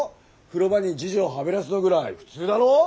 風呂場に侍女をはべらすのぐらい普通だろ？